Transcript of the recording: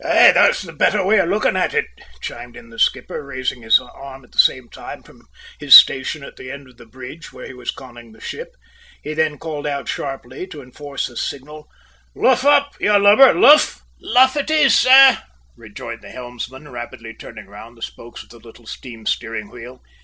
"Aye, that's the better way of looking at it," chimed in the skipper, raising his arm at the same time from his station at the end of the bridge, where he was conning the ship. He then called out sharply, to enforce the signal. "Luff up, you lubber, luff!" "Luff it is, sir," rejoined the helmsman, rapidly turning round the spokes of the little steam steering wheel.